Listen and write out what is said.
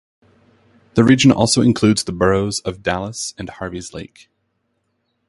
The region also includes the boroughs of Dallas and Harveys Lake.